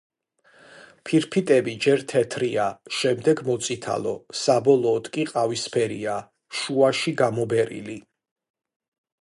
ფირფიტები ჯერ თეთრია, შემდეგ მოწითალო, საბოლოოდ კი ყავისფერია, შუაში გამობერილი.